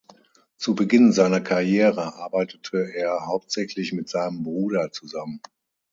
Zu Beginn seiner Karriere arbeitete er hauptsächlich mit seinem Bruder zusammen.